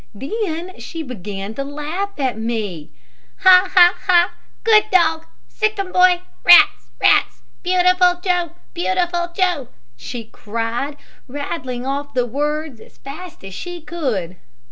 Then she began to laugh at me. "Ha, ha, ha, good dog sic 'em, boy. Rats, rats! Beau ti ful Joe, Beau ti ful Joe," she cried, rattling off the words as fast as she could.